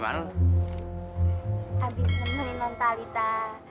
buat own yang muncul ternyata